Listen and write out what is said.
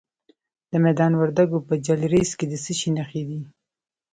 د میدان وردګو په جلریز کې د څه شي نښې دي؟